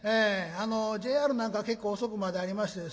ＪＲなんかは結構遅くまでありましてですね